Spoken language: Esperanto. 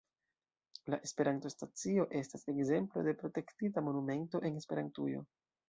La Esperanto-Stacio estas ekzemplo de protektita monumento en Esperantujo.